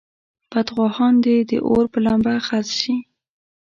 بدخواهان دې د اور په لمبه خس شي.